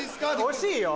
惜しいよ。